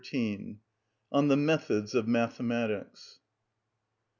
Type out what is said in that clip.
(25) On The Methods Of Mathematics.